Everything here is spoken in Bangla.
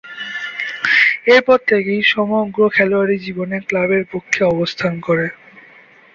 এরপর থেকেই সমগ্র খেলোয়াড়ী জীবন এ ক্লাবের পক্ষে অবস্থান করেন।